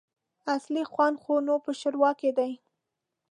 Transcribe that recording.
اصلي خوند خو نو په ښوروا کي دی !